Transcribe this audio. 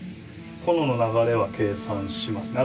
炎の流れは計算しますね。